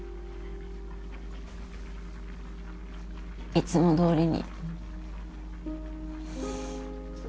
いつもどおりに。